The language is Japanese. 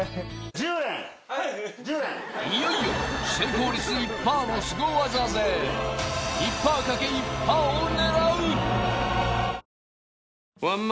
いよいよ成功率１％のスゴ技で１％×１％を狙う！